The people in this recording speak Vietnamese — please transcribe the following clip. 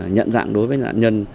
nhận dạng đối với nạn nhân